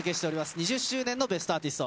２０周年の『ベストアーティスト』。